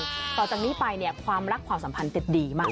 ต่อจากนี้ไปเนี่ยความรักความสัมพันธ์จะดีมาก